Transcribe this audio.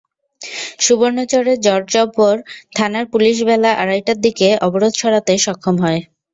সুবর্ণচরের চরজব্বর থানার পুলিশ বেলা আড়াইটার দিকে অবরোধ সরাতে সক্ষম হয়।